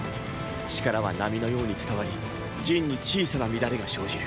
力は波のように伝わり陣に小さな乱れが生じる。